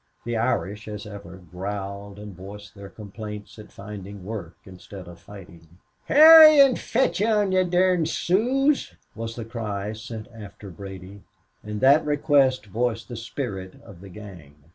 The Irish, as ever, growled and voiced their complaints at finding work instead of fighting. "Hurry an' fetch on yez dirn Sooz!" was the cry sent after Brady, and that request voiced the spirit of the gang.